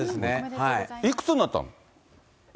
いくつになったの？